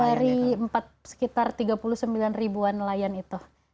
dari sekitar tiga puluh sembilan ribuan nelayan itu